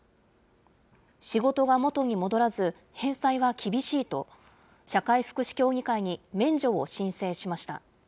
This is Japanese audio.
仕事が元に戻らず、返済は厳しいと、社会福祉協議会に免除を申請しました。